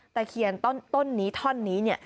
ตะเคียนต้นนี้